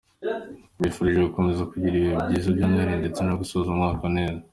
Mbifurije gukomeza kugira ibihe byiza bya Noheli ndetse no gusoza umwaka neza !